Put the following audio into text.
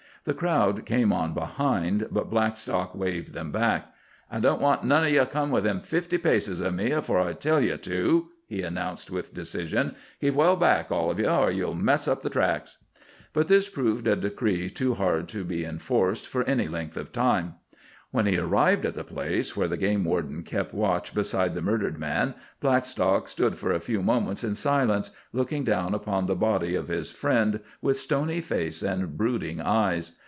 The crowd came on behind, but Blackstock waved them back. "I don't want none o' ye to come within fifty paces of me, afore I tell ye to," he announced with decision. "Keep well back, all of ye, or ye'll mess up the tracks." But this proved a decree too hard to be enforced for any length of time. When he arrived at the place where the game warden kept watch beside the murdered man, Blackstock stood for a few moments in silence, looking down upon the body of his friend with stony face and brooding eyes.